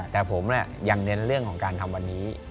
แต่ผมยังเน้นเรื่องของการทำวันนี้